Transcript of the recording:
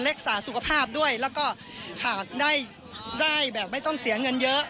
รักษาสุขภาพด้วยแล้วก็หากได้แบบไม่ต้องเสียเงินเยอะ